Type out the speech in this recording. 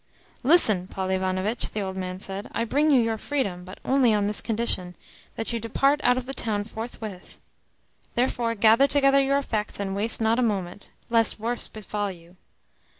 "Listen, Paul Ivanovitch," the old man said. "I bring you your freedom, but only on this condition that you depart out of the town forthwith. Therefore gather together your effects, and waste not a moment, lest worse befall you.